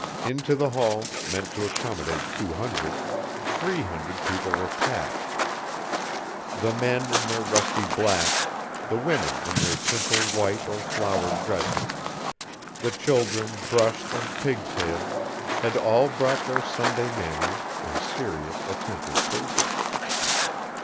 Into the hall, meant to accommodate two hundred, three hundred people were packed. The men in their rusty black, the women in their simple white or flowered dresses, the children brushed and pig tailed, had all brought their Sunday manners and serious, attentive faces.